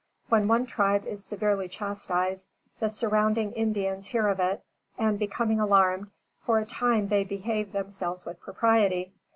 When one tribe is severely chastised, the surrounding Indians hear of it, and, becoming alarmed, for a time they behave themselves with propriety.